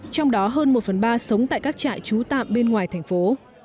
trong đó hơn một phần ba sống tại các trại trú tạm bên ngoài thành phố